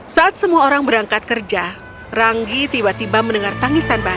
saat semua orang berangkat kerja ranggi tiba tiba mendengar tangisan bayi